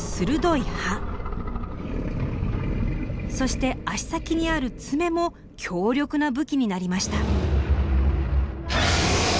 そして足先にある爪も強力な武器になりました。